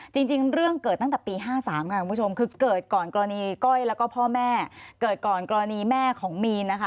จริงเรื่องเกิดตั้งแต่ปี๕๓ค่ะคุณผู้ชมคือเกิดก่อนกรณีก้อยแล้วก็พ่อแม่เกิดก่อนกรณีแม่ของมีนนะคะ